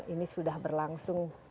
ini sudah berlangsung